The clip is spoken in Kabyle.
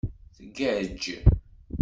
Ggaǧ.